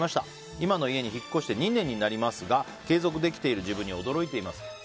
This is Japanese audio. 今の家に引っ越して２年になりますが継続できている自分に驚いています。